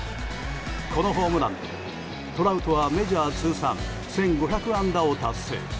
このホームランで、トラウトはメジャー通算１５００安打を達成。